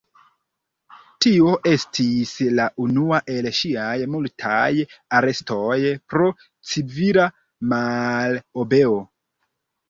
Tio estis la unua el ŝiaj multaj arestoj pro civila malobeo.